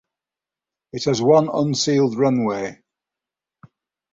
It has one unsealed runway.